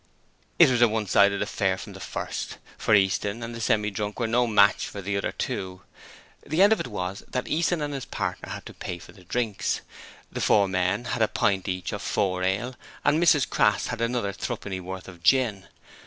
It was a one sided affair from the first, for Easton and the Semi drunk were no match for the other two. The end of it was that Easton and his partner had to pay for the drinks. The four men had a pint each of four ale, and Mrs Crass had another threepennyworth of gin.